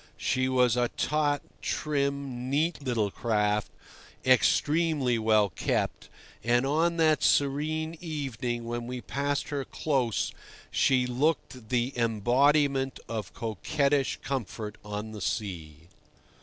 She was a taut, trim, neat little craft, extremely well kept; and on that serene evening when we passed her close she looked the embodiment of coquettish comfort on the sea.